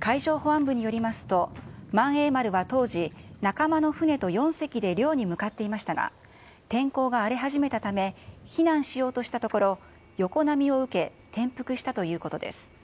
海上保安部によりますと、萬栄丸は当時、仲間の船と４隻で漁に向かっていましたが、天候が荒れ始めたため、避難しようとしたところ、横波を受け、転覆したということです。